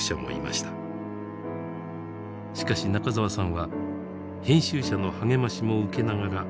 しかし中沢さんは編集者の励ましも受けながら描き続けました。